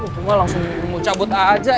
gue mah langsung mau cabut aja